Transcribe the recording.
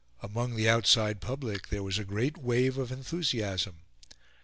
Among the outside public there was a great wave of enthusiasm.